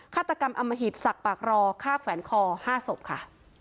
ฆาตกรรมอมหิตศักดิ์ปากรอฆ่าแขวนคอ๕ศพค่ะ